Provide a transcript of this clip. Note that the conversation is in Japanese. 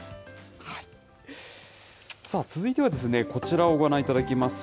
さあ、続いてはですね、こちらをご覧いただきます。